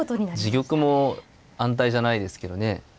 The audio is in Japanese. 自玉も安泰じゃないですけどね。